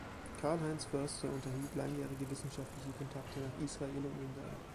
Karl-Heinz Förster unterhielt langjährige wissenschaftliche Kontakte nach Israel und Ungarn.